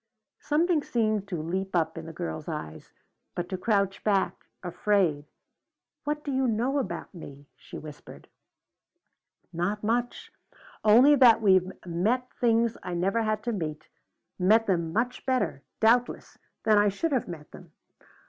Something seemed to leap up in the girl's eyes, but to crouch back, afraid. "What do you know about me?" she whispered. "Not much. Only that you've met things I never had to meet, met them much better, doubtless, than I should have met them.